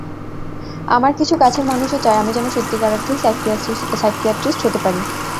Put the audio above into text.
আমার কিছু কাছের মানুষও চায় আমি যেন সত্যিকারার্থেই সাইকিয়াট্রিস্ট হতে পারি।